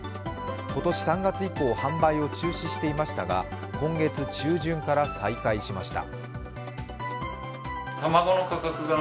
今年３月以降、販売を中止していましたが今月中旬から再開しました。